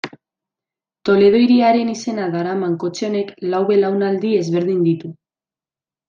Toledo hiriaren izena daraman kotxe honek lau belaunaldi ezberdin ditu.